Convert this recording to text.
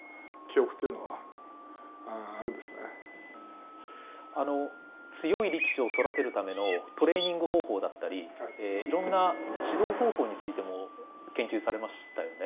あの強い力士を育てるためのトレーニング方法だったりいろんな指導方法についても研究されましたよね。